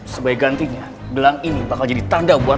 sebagai gantinya gelang ini bakal jadi tanda buat